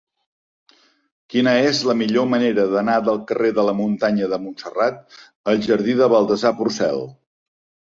Quina és la millor manera d'anar del carrer de la Muntanya de Montserrat al jardí de Baltasar Porcel?